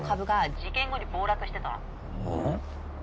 「事件後に暴落してたの」はあ？